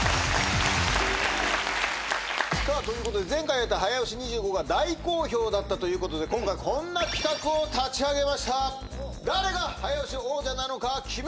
さあ前回やった早押し２５が大好評だったということで今回こんな企画を立ち上げました。